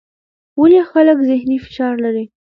ولې خلک ذهني فشار لري؟